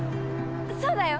そうだよ